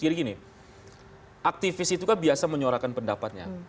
jadi gini aktivis itu kan biasa menyuarakan pendapatnya